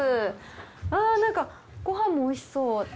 わぁなんかご飯もおいしそう。